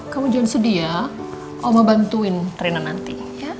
kamu jangan sedih ya om mau bantuin rena nanti